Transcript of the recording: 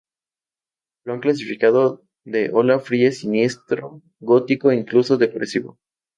Lo han clasificado de ola fría, siniestro, gótico e incluso depresivo.